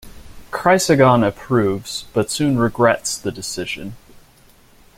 Chrysagon approves, but soon regrets the decision.